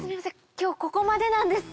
今日ここまでなんです。